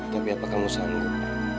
tapi apakah kamu sanggup